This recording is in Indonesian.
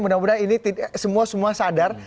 mudah mudahan ini semua semua sadar